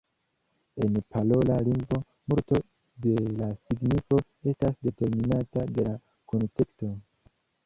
En parola lingvo, multo de la signifo estas determinata de la kunteksto.